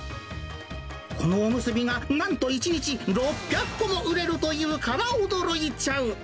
このお結びが、なんと１日６００個も売れるというから驚いちゃう。